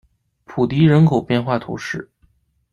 普迪人口变化图示